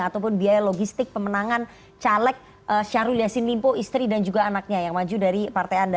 ataupun biaya logistik pemenangan caleg syahrul yassin limpo istri dan juga anaknya yang maju dari partai anda